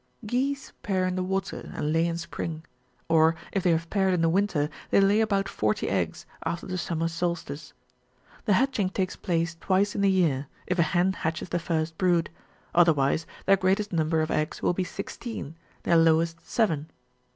Geese pair in the water, and lay in spring ; or, if they have paired in the winter, they lay about forty eggs, after the summer solstice. The hatching takes place twice in the year, if a hen hatches the first brood ; otherwise, their greatest num ber of eggs will be sixteen, their lowest seven.